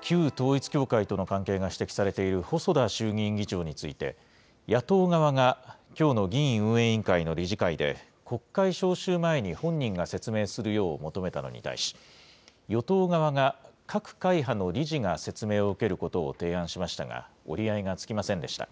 旧統一教会との関係が指摘されている細田衆議院議長について、野党側がきょうの議院運営委員会の理事会で、国会召集前に本人が説明するよう求めたのに対し、与党側が、各会派の理事が説明を受けることを提案しましたが、折り合いがつきませんでした。